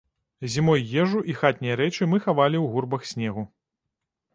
Зімой ежу і хатнія рэчы мы хавалі ў гурбах снегу.